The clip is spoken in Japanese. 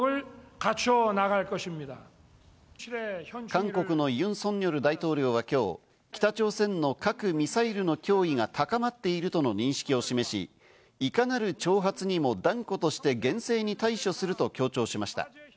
韓国のユン・ソンニョル大統領は今日、北朝鮮の核・ミサイルの脅威が高まっているとの認識を示し、いかなる挑発にも断固として厳正に対処すると強調しました。